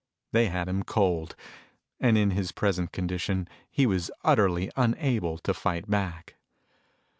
They had him cold, and in his present condition he was utterly unable to fight back.